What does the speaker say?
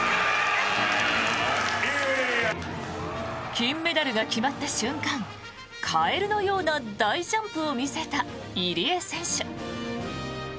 金メダルが決まった瞬間カエルのような大ジャンプを見せた入江選手。